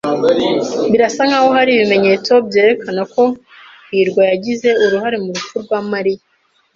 Birasa nkaho hari ibimenyetso byerekana ko hirwa yagize uruhare mu rupfu rwa Mariya.